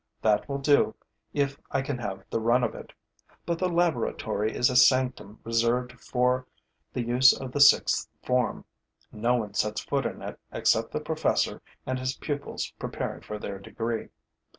That will do, if I can have the run of it. But the laboratory is a sanctum reserved for the use of the sixth form. No one sets foot in it except the professor and his pupils preparing for their degree.